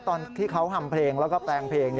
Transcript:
ตอนที่เขาทำเพลงแล้วก็แปลงเพลง